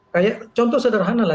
kayak contoh sederhana